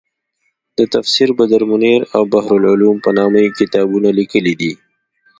د تفسیر بدرمنیر او بحرالعلوم په نامه یې کتابونه لیکلي دي.